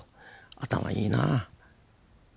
頭いいなぁ。